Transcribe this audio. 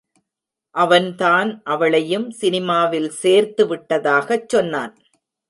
அவன்தான் அவளையும் சினிமாவில் சேர்த்து விட்டதாகச் சொன்னான்.